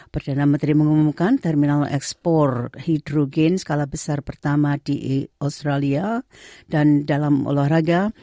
perdana menteri mengumumkan terminal ekspor hidrogen skala besar pertama di australia dan dalam olahraga